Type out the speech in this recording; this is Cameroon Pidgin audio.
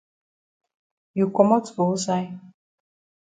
You komot for wusaid?